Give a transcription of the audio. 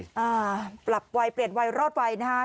อ่าปรับวัยเปลี่ยนวัยรอดวัยนะฮะ